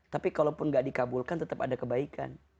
tapi kalau pun tidak dikabulkan tetap ada kebaikan